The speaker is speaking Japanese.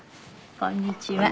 こんにちは。